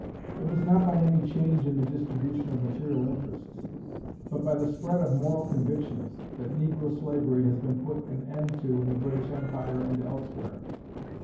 It was not by any change in the distribution of material interests, but by the spread of moral convictions, that negro slavery has been put an end to in the British Empire and elsewhere.